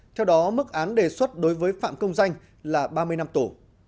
theo đó mức án đề xuất đối với phạm công danh là ba mươi năm tù